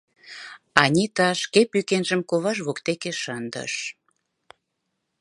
Анита шке пӱкенжым коваж воктеке шындыш